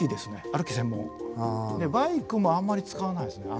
歩き専門。でバイクもあんまり使わないですね。